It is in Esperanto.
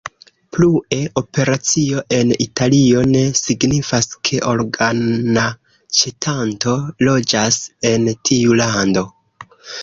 Plue, operacio en Italio ne signifas, ke organaĉetanto loĝas en tiu lando.